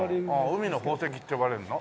海の宝石って呼ばれるの？